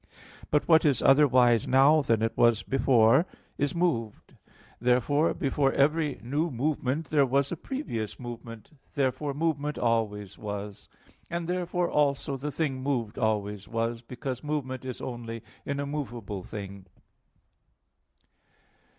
But what is otherwise now than it was before, is moved. Therefore before every new movement there was a previous movement. Therefore movement always was; and therefore also the thing moved always was, because movement is only in a movable thing.